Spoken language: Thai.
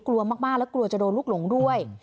กลัวมากแล้วกลัวจะโดนลูกหลงด้วย